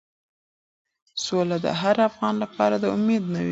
سوله د هر افغان لپاره د امید نوید دی.